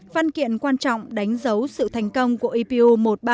văn kiện quan trọng đánh dấu sự thành công của ipu một trăm ba mươi